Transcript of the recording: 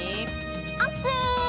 オッケー！